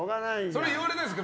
それ言われないですか？